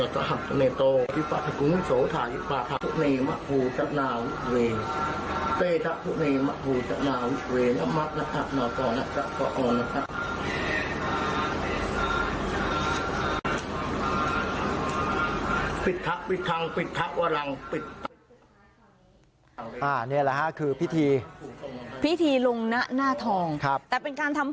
ครับแต่เป็นการทำผ่านถึงก็ดูดูเก่าแสดงนะครับ